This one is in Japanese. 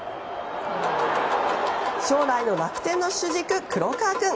将来の楽天の主軸黒川くん！